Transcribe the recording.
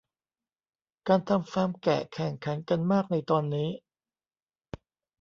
การทำฟาร์มแกะแข่งขันกันมากในตอนนี้